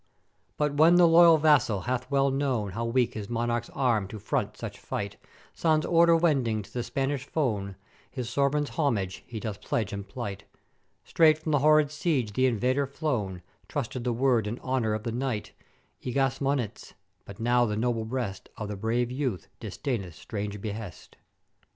"But when the loyal Vassal well hath known how weak his Monarch's arm to front such fight, sans order wending to the Spanish fone, his Sovran's homage he doth pledge and plight. Straight from the horrid siege th' invader flown trusteth the word and honour of the Knight, Egas Moniz: But now the noble breast of the brave Youth disdaineth strange behest.